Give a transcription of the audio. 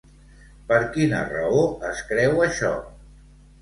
Per quina raó es creu això?